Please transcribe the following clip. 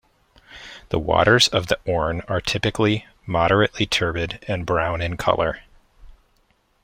The waters of the Orne are typically moderately turbid and brown in colour.